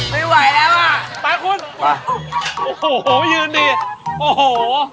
ไม่ไหวแล้วอ่ะไปคุณโอ้โหยืนดีโอ้โห